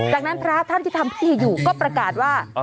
จากนั้นพระท่านที่ทำพิธีอยู่ก็ประกาศว่า